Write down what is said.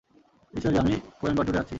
ঈশ্বরী, আমি কোয়েম্বাটুরে আছি।